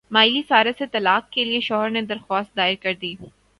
Miley Cyrus سے طلاق کے لیے شوہر نے درخواست دائر کردی